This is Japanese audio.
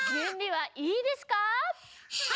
はい！